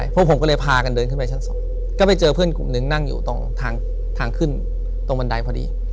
พวกผมก็เลยพากันเดินขึ้นไปชั้น๒ก็ไปเจอเพื่อนกลุ่มนึงนั่งอยู่ตรงทางขึ้นตรงบันไดพอดี